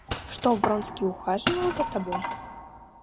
Что Вронский ухаживал за тобой?